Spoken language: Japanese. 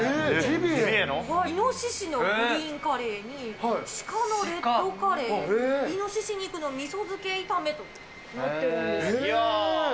イノシシのグリーンカレーに鹿のレッドカレー、イノシシ肉の味噌漬け炒めと載っているんです。